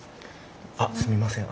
あっすみません